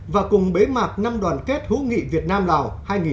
và cùng bế mạc năm đoàn kết hữu nghị việt nam lào hai nghìn một mươi chín